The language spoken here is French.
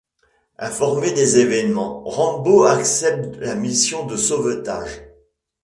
Informé des événements, Rambo accepte la mission de sauvetage.